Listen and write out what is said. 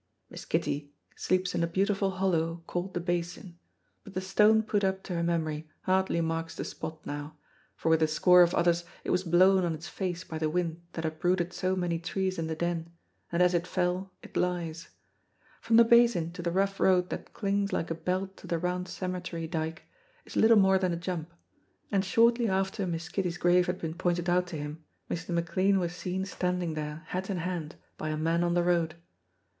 Miss Kitty sleeps in a beautiful hollow called the Basin, but the stone put up to her memory hardly marks the spot now, for with a score of others it was blown on its face by the wind that uprooted so many trees in the Den, and as it fell it lies. From the Basin to the rough road that clings like a belt to the round cemetery dyke is little more than a jump, and shortly after Miss Kitty's grave had been pointed out to him. Mr. McLean was seen standing there hat in hand by a man on the road.